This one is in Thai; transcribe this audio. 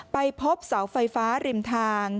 ไปพบเสาไฟฟ้าริมทาง